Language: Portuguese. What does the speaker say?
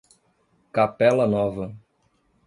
Capela Nova